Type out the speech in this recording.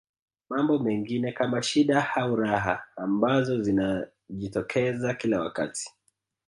Mambo mengine kama shida au raha ambazo zinajitokeza kila wakati